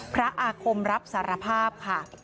อาคมรับสารภาพค่ะ